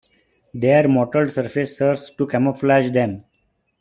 Their mottled surface serves to camouflage them.